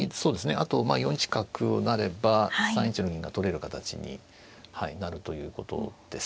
あと４一角を成れば３一の銀が取れる形になるということです。